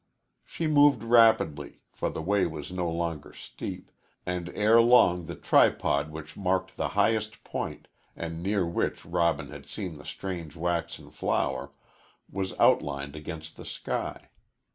She moved rapidly, for the way was no longer steep, and ere long the tripod which marked the highest point, and near which Robin had seen the strange waxen flower, was outlined against the sky.